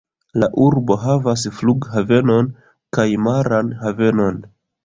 La urbo havas flughavenon kaj maran havenon.